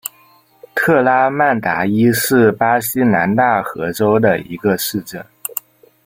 特拉曼达伊是巴西南大河州的一个市镇。